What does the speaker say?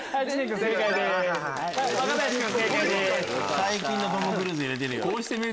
最近のトム・クルーズ入れてる。